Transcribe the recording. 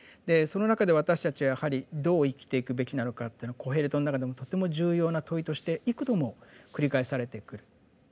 でその中で私たちはやはりどう生きていくべきなのかっていうのはコヘレトの中でもとても重要な問いとして幾度も繰り返されてくる。